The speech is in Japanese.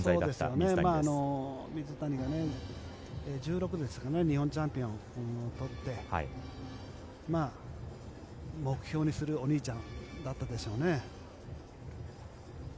水谷が１６歳ですかね日本チャンピオンになって目標にするお兄ちゃんだったんでしょうね。